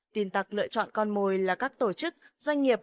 tin tặc lựa chọn con mồi là các tổ chức doanh nghiệp